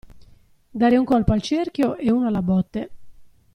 Dare un colpo al cerchio e uno alla botte.